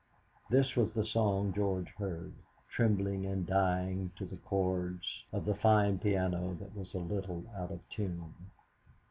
This was the song George heard, trembling and dying to the chords of the fine piano that was a little out of tune.